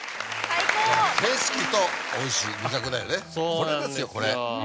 これですよこれ。